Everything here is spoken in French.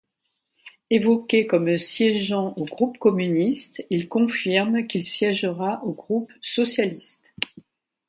Évoqué comme siégeant au groupe communiste, il confirme qu'il siègera au groupe socialiste.